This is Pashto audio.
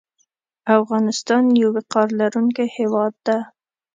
افغانستان یو وقار لرونکی هیواد ده